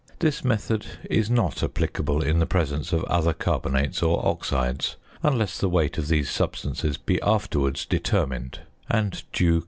This method is not applicable in the presence of other carbonates or oxides, unless the weight of these substances be afterwards determined and due correction be made.